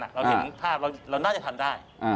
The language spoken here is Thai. เราเห็นภาพเราน่าจะทำได้